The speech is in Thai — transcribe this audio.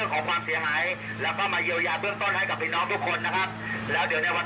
ก็ประชาประมาณนั้นกับพี่น้องทุกท่านทราบด้วยนะครับ